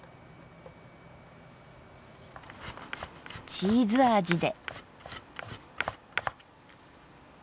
チーズ味で。